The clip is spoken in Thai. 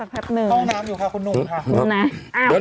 แป๊บหนึ่งห้องน้ำอยู่ค่ะคุณหนุ่มค่ะ